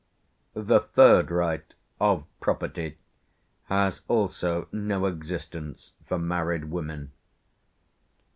The third right, of "property," has also no existence for married women.